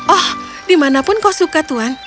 oh di mana pun kau suka tuan